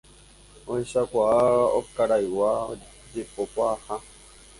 ohechauka okaraygua jepokuaaha